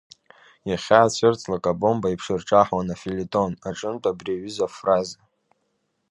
Иахьаацәырҵлак абомба еиԥш ирҿаҳауан афелетон аҿынтә абри аҩыза афраза…